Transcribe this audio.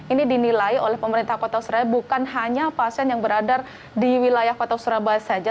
ini dinilai oleh pemerintah kota surabaya bukan hanya pasien yang berada di wilayah kota surabaya saja